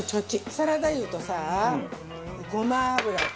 サラダ油とさごま油と。